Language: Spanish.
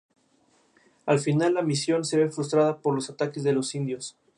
Al final, la misión se ve frustrada por los ataques de los indios.